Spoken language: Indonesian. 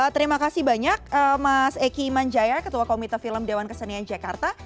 terima kasih banyak mas eky iman jaya ketua komite film dewan kesenian jakarta